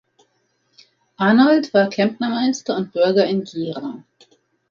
Arnold war Klempnermeister und Bürger in Gera.